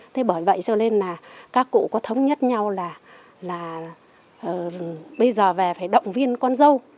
thế bởi vậy cho nên là các cụ có thống nhất nhau là bây giờ về phải động viên con dâu